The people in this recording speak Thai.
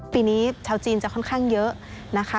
ปีนี้ชาวจีนจะค่อนข้างเยอะนะคะ